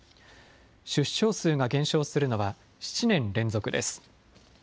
出生数が減少するのは７年連続です。